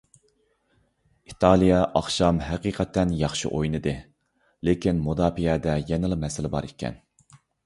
ئىتالىيە ئاخشام ھەقىقەتەن ياخشى ئوينىدى، لېكىن مۇداپىئەدە يەنىلا مەسىلە بار ئىكەن.